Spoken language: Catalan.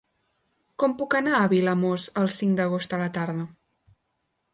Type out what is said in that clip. Com puc anar a Vilamòs el cinc d'agost a la tarda?